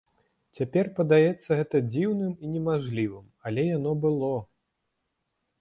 Цяпер падаецца гэта дзіўным і немажлівым, але яно было.